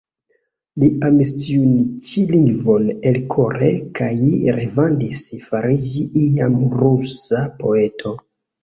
Li amis tiun ĉi lingvon elkore, kaj revadis fariĝi iam rusa poeto.